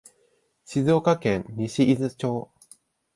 静岡県西伊豆町